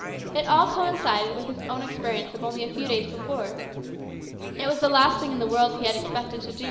It all coincided with his own experience of only a few days before. It was the last thing in the world he had expected to do A MEMORABLE NIGHT.